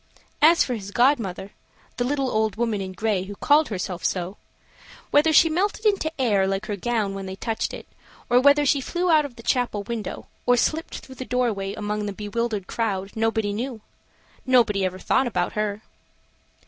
As for his godmother, the little old woman in gray who called herself so, whether she melted into air, like her gown when they touched it, or whether she flew out of the chapel window, or slipped through the doorway among the bewildered crowd, nobody knew nobody ever thought about her.